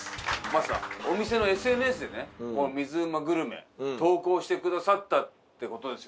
マスターお店のＳＮＳでねこの水うまグルメ投稿してくださったって事ですよね。